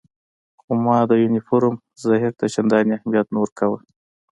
خو ما د یونیفورم ظاهر ته چندانې اهمیت نه ورکاوه.